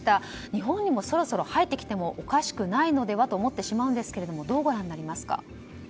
日本にもそろそろ入ってきてもおかしくないのではと思ってしまうんですがどうご覧になりますか？